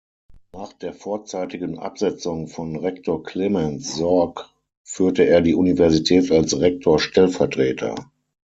Nach der vorzeitigen Absetzung von Rektor Clemens Sorg führte er die Universität als Rektor-Stellvertreter.